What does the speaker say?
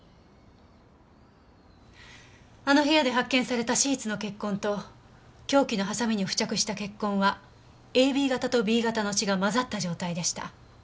あの部屋で発見されたシーツの血痕と凶器のハサミに付着した血痕はＡＢ型とＢ型の血が混ざった状態でした。